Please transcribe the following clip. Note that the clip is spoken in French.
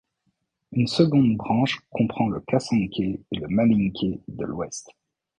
Une seconde branche comprend le khassonké et le malinké de l'Ouest.